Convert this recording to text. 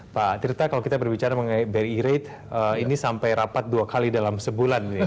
pak tirta kalau kita berbicara mengenai bri rate ini sampai rapat dua kali dalam sebulan ya